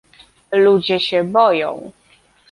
Ludzie się boją